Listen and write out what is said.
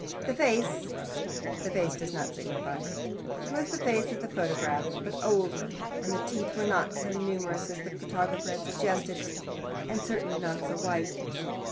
The face the face does not signify. It was the face of the photograph, but older, and the teeth were not so numerous as the photographer had suggested, and certainly not so white.